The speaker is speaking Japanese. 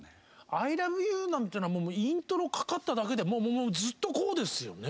「ＩＬｏｖｅＹｏｕ」なんていうのはイントロかかっただけでもうずっとこうですよね。